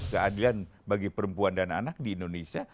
keadilan bagi perempuan dan anak di indonesia